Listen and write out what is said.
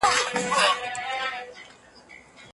خپل کارونه پلان کړئ.